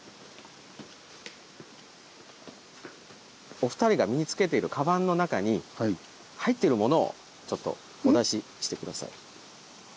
お二人が身に着けているかばんの中に入ってるものをちょっとお出しして下さい。